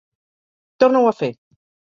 Torna-ho a fer!